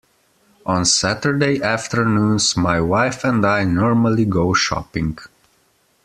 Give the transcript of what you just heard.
On Saturday afternoons my wife and I normally go shopping